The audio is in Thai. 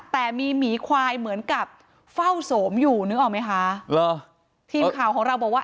แต่มีหมีควายเหมือนกับเฝ้าโสมอยู่นึกออกไหมคะเหรอทีมข่าวของเราบอกว่า